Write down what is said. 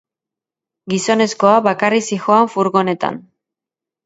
Gizonezkoa bakarrik zihoan furgonetan.